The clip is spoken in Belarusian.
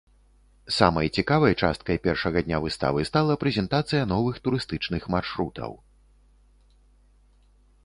Самай цікавай часткай першага дня выставы стала прэзентацыя новых турыстычных маршрутаў.